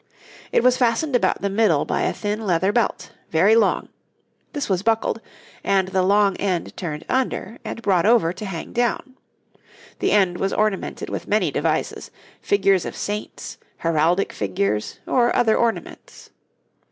It was fastened about the middle by a thin leather belt, very long; this was buckled, and the long end turned under and brought over to hang down; the end was ornamented with many devices figures of saints, heraldic figures, or other ornaments.